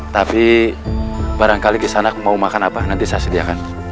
tapi barangkali kesana mau makan apa nanti saya sediakan